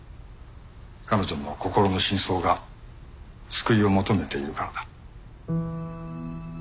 彼女の心の深層が救いを求めているからだ。